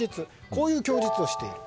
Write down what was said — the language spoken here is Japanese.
こういう供述をしている。